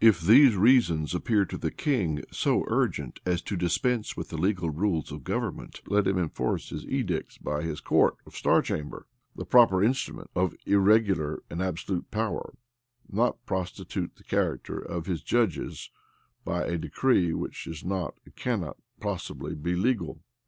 If these reasons appear to the king so urgent as to dispense with the legal rules of government, let him enforce his edicts by his court of star chamber, the proper instrument of irregular and absolute power, not prostitute the character of his judges by a decree which is not, and cannot possibly be legal.